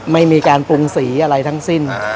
ไม่มีการปรุงสีอะไรทั้งสิ้น